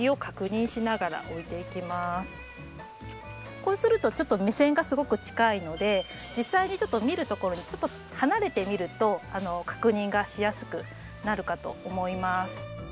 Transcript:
こうするとちょっと目線がすごく近いので実際に見るところでちょっと離れて見ると確認がしやすくなるかと思います。